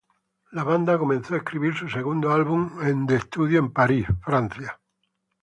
La banda comenzó a escribir su segundo álbum de estudio en París, Francia.